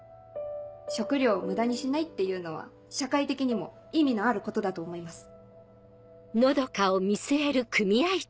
食料を無駄にしないっていうのは社会的にも意味のあることだと思います。